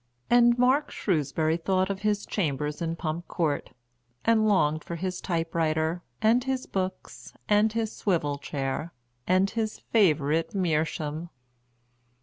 And Mark Shrewsbury thought of his chambers in Pump Court, and longed for his type writer, and his books, and his swivel chair, and his favourite meerschaum.